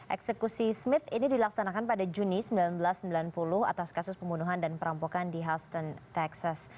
eksekusi smith ini dilaksanakan pada juni seribu sembilan ratus sembilan puluh atas kasus pembunuhan dan perampokan di houston texas